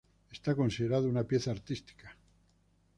Está considerado una pieza artística.